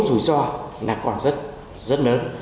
thủy do là còn rất rất lớn